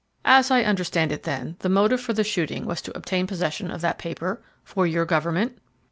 "As I understand it, then, the motive for the shooting was to obtain possession of that paper? For your government?"